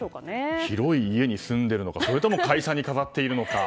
広い家に住んでいるのかそれとも会社に飾っているのか。